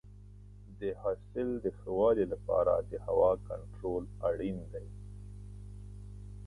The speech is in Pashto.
د حاصل د ښه والي لپاره د هوا کنټرول اړین دی.